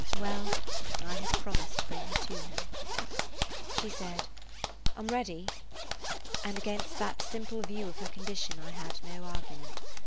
Well, I had promised to bring her to him. [Page 94] She said: "I 'm ready," and against that simple view of her condition I had no argument.